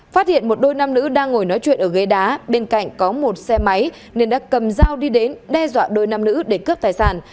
phát hiện một đôi nam nữ đang ngồi nói chuyện ở ghế đá bên cạnh có một xe máy nên đã cầm dao đi đến đe dọa đôi nam nữ để cướp tài sản